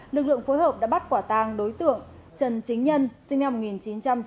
lực lượng phối hợp đã bắt quả tang đối tượng trần chính nhân sinh năm một nghìn chín trăm chín mươi